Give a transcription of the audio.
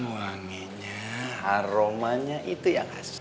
wanginya aromanya itu yang khas